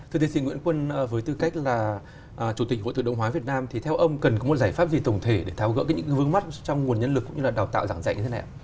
thưa tiến sĩ nguyễn quân với tư cách là chủ tịch hội tự động hóa việt nam thì theo ông cần có một giải pháp gì tổng thể để tháo gỡ những vướng mắt trong nguồn nhân lực cũng như là đào tạo giảng dạy như thế nào ạ